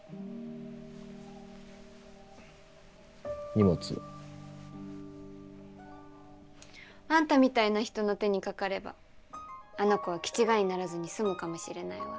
荷物？あんたみたいな人の手にかかればあの子は気ちがいにならずに済むかもしれないわ。